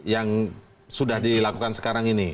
yang sudah dilakukan sekarang ini